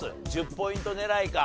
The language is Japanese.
１０ポイント狙いか。